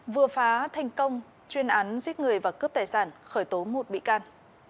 vừa phá thành công chuyên án giết người và cướp tài sản khởi tố một bị can